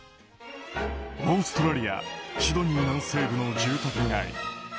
オーストラリアシドニー南西部の住宅街。